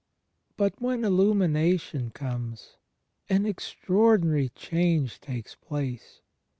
But when " Illimiination " comes, an extraordinary change takes place.